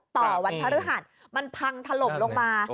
ต่อวันพระฤหัสมันพังถล่มลงมา